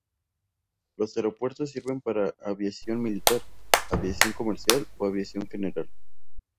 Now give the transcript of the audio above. Los aeropuertos sirven para aviación militar, aviación comercial o aviación general.